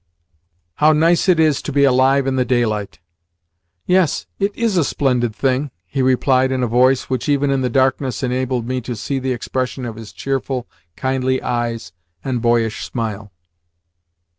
"Now nice it is to be alive in the daylight!" "Yes, it IS a splendid thing!" he replied in a voice which, even in the darkness, enabled me to see the expression of his cheerful, kindly eyes and boyish smile.